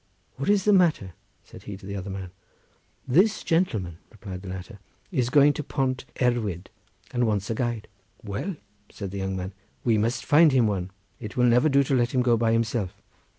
"What is the matter?" said he to the other man. "This gentleman," replied the latter, "is going to Pont Erwyd, and wants a guide." "Well," said the young man, "we must find him one. It will never do to let him go by himself."